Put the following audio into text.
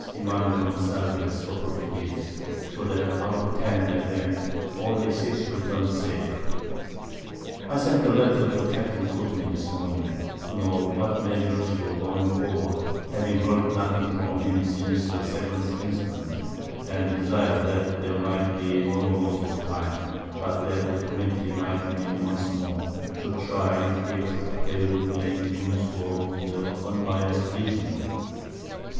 Emanuel Gonsalves_, a Portuguese: So that out of ten that went, only 6 return'd safe. I sent a Letter to Capt. Courtney this Morning, to know what Measures were going forward; having heard nothing from him since the 7th Instant, and desired that there might be no loss of time, but that the Committee might meet once more, to try if they would make use of their unbyass'd Reason.